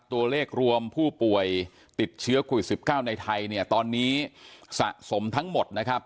ตัวเลขรวมผู้ป่วยติดเชื้อโควิด๑๙ในไทยเนี่ยตอนนี้สะสมทั้งหมดนะครับ